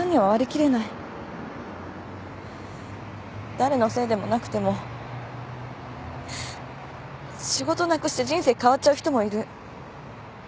誰のせいでもなくても仕事なくして人生変わっちゃう人もいる。